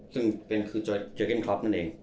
ซึ่งเป็นคือเจอเก้นคล็อปนั่นเอง